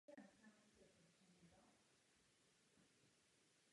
V minulosti bylo správním střediskem protektorátu Francouzské Maroko.